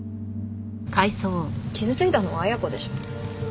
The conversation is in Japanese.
傷ついたのは恵子でしょ。